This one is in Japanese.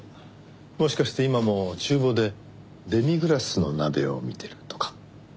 もしかして今も厨房でデミグラスの鍋を見てるとか？